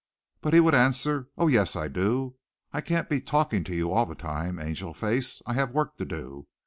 but he would answer, "oh, yes I do. I can't be talking to you all the time, Angel face. I have work to do.